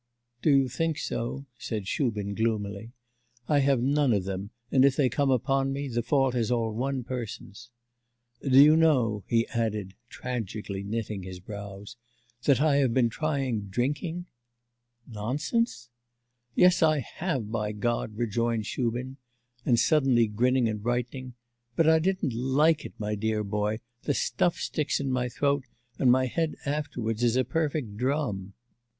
'Do you think so?' said Shubin gloomily. 'I have none of them, and if they come upon me, the fault is all one person's. Do you know,' he added, tragically knitting his brows, 'that I have been trying drinking?' 'Nonsense?' 'Yes, I have, by God,' rejoined Shubin; and suddenly grinning and brightening, 'but I didn't like it, my dear boy, the stuff sticks in my throat, and my head afterwards is a perfect drum.